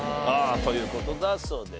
という事だそうです。